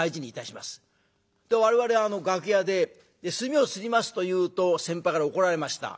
我々楽屋で「墨をすります」と言うと先輩から怒られました。